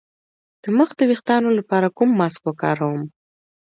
د مخ د ويښتانو لپاره کوم ماسک وکاروم؟